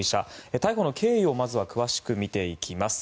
逮捕の経緯をまずは詳しく見ていきます。